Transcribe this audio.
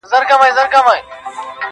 • يوه بهرنۍ ښځه عکس اخلي او يادښتونه ليکي..